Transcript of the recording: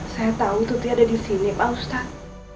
saya tahu tuti ada di sini pak ustadz